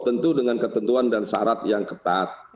tentu dengan ketentuan dan syarat yang ketat